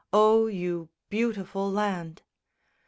O, you beautiful land!